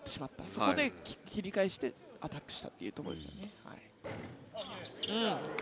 そこで切り返してアタックしたというところですね。